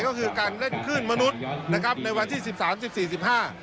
ก็คือการเล่นคลื่นมนุษย์นะครับในวันที่สิบสามสิบสี่สิบห้า